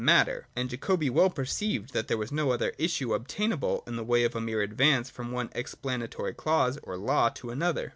Matter : and Jacobi well perceived that there was no other issue obtainable in the way of a mere advance from one explanatory clause or law to another.